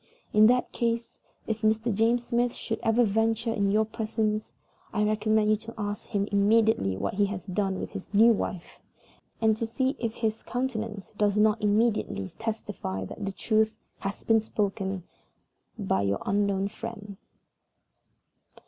In that case, if Mr. James Smith should ever venture into your presence, I recommend you to ask him suddenly what he has done with his new wife, and to see if his countenance does not immediately testify that the truth has been spoken by "YOUR UNKNOWN FRIEND."